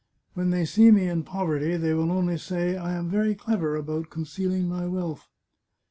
When they see me in poverty they will only say I am very clever about concealing my wealth.